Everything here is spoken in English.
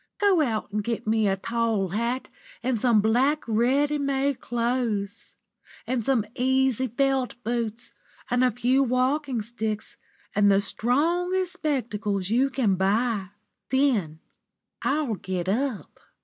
Go out and get me a tall hat and some black, ready made clothes, and some easy felt boots and a few walking sticks, and the strongest spectacles you can buy. Then I'll get up."